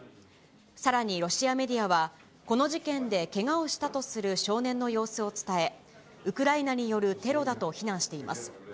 さらにロシアメディアは、この事件でけがをしたとする少年の様子を伝え、ウクライナによるテロだと非難しています。